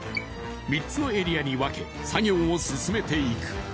３つのエリアに分け作業を進めていく。